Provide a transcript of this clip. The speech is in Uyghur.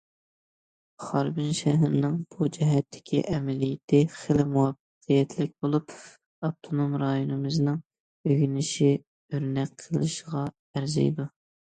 خاربىن شەھىرىنىڭ بۇ جەھەتتىكى ئەمەلىيىتى خېلى مۇۋەپپەقىيەتلىك بولۇپ، ئاپتونوم رايونىمىزنىڭ ئۆگىنىشى، ئۆرنەك قىلىشىغا ئەرزىيدۇ.